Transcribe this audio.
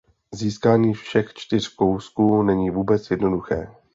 Získání všech čtyř kousků není vůbec jednoduché.